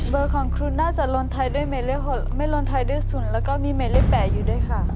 เบอร์ของครูน่าจะลนท้ายด้วยหมายเลข๖ไม่ลนท้ายด้วย๐แล้วก็มีหมายเลข๘อยู่ด้วยค่ะ